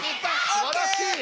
すばらしい！